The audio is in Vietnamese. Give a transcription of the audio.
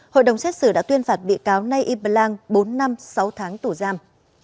hội đồng xét xử đã tuyên phạt bị cáo nay y blang bốn năm sáu tháng tổ giam